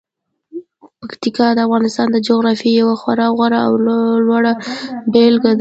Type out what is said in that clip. پکتیکا د افغانستان د جغرافیې یوه خورا غوره او لوړه بېلګه ده.